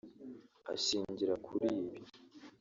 Ashingira kuri ibi